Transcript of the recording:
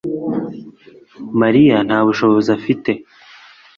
mariya nta bushobozi afite